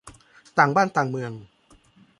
ต่างบ้านต่างเมือง